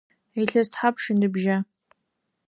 Илъэс тхьапш ыныбжьа?